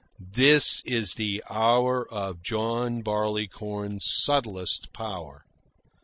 This is the hour of John Barleycorn's subtlest power.